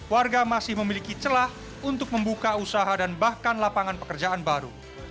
warga masih memiliki celah untuk membuka usaha dan bahkan lapangan pekerjaan baru